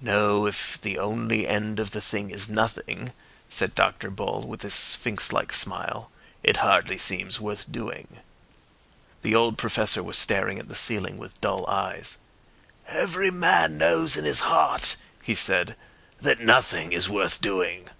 "No, if the only end of the thing is nothing," said Dr. Bull with his sphinx like smile, "it hardly seems worth doing." The old Professor was staring at the ceiling with dull eyes. "Every man knows in his heart," he said, "that nothing is worth doing."